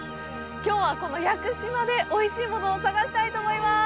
きょうは、この屋久島でおいしいものを探したいと思いまーす。